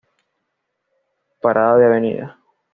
Parada de Av.